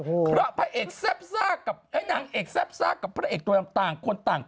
เพราะพระเอกแซ่บซ่ากับนางเอกแซ่บซ่ากับพระเอกตัวต่างคนต่าง